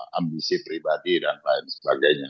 semoga menurut ibu keluarga sanya siwi orawan sekalian disayang